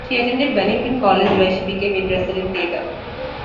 She attended Bennington College where she became interested in theatre.